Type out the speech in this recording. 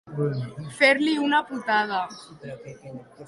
Fer-li una putada.